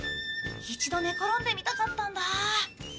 一度寝転んでみたかったんだ。